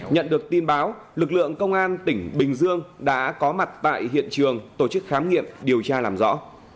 nhận được tin báo lực lượng công an tỉnh bình dương đã có mặt tại hiện trường tổ chức khám nghiệm điều tra làm rõ